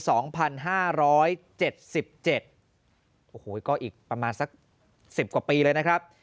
โอ้โหก็อีกประมาณสักสิบกว่าปีเลยนะครับ